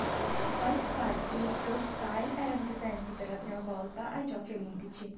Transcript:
L'halfpipe e lo slopestyle erano presenti per la prima volta ai Giochi olimpici.